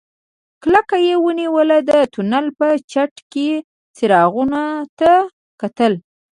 کلکه يې ونيوله د تونل په چت کې څراغونو ته کتل.